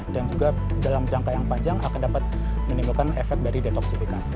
dan juga dalam jangka yang panjang akan dapat menimbulkan efek dari detoksifikasi